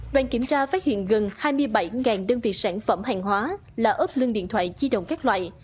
đoàn kiểm tra phát hiện gần hai mươi bảy đơn vị sản phẩm hàng hóa là ớp lưng điện thoại di động các loại